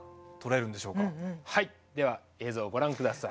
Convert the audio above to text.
はいでは映像をご覧ください。